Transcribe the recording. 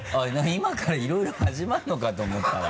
今からいろいろ始まるのかと思ったら。